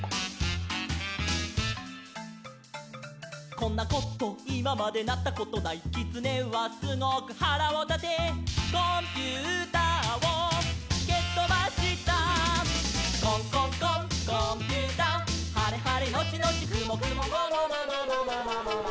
「こんなこといままでなったことない」「きつねはすごくはらをたて」「コンピューターをけとばした」「コンコンコンコンピューター」「はれはれのちのちくもくもももももももももも」